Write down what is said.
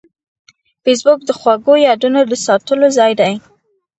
فېسبوک د خوږو یادونو د ساتلو ځای دی